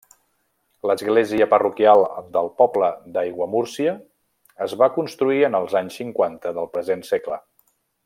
L'església parroquial del poble d'Aiguamúrcia es va construir en els anys cinquanta del present segle.